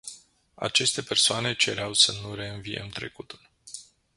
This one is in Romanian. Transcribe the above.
Aceste persoane cereau să nu reînviem trecutul.